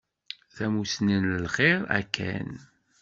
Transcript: Tamussni n lxir a Ken.